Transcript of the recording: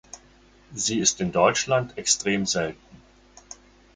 Sie ist in Deutschland extrem selten.